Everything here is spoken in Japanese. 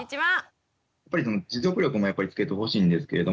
やっぱり持続力もつけてほしいんですけれども。